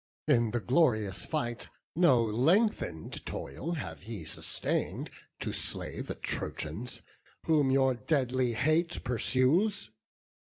In the glorious fight No lengthen'd toil have ye sustain'd, to slay The Trojans, whom your deadly hate pursues.